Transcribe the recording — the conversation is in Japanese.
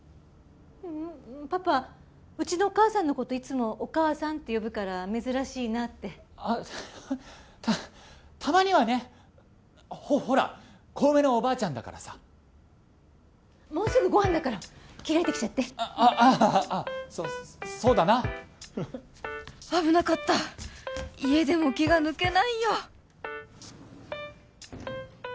ううんパパうちのお母さんのこといつもお義母さんって呼ぶから珍しいなってあったたまにはねほら小梅のおばあちゃんだからさもうすぐご飯だから着替えてきちゃってあああそそうだな危なかった家でも気が抜けないよ